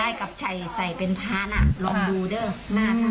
ใช่กับใส่เป็นพ้าหน้าลองดูเด้งหน้าท่าน